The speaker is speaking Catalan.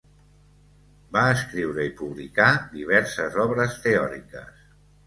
Va escriure i publicar diverses obres teòriques.